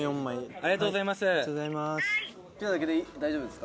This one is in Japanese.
ありがとうございます！